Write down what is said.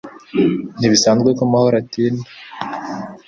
Ntibisanzwe ko mahoro atinda